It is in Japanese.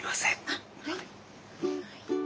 あっはい。